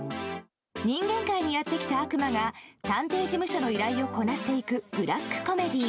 人間界にやってきた悪魔が探偵事務所の依頼をこなしていくブラックコメディー。